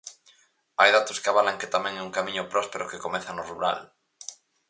Hai datos que avalan que tamén é un camiño próspero que comeza no rural.